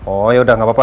oh yaudah gak apa apa